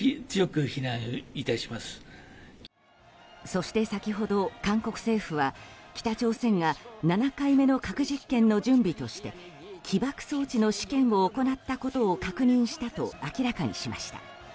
そして先ほど韓国政府は北朝鮮が７回目の核実験の準備として起爆装置の試験を行ったことを確認したと明らかにしました。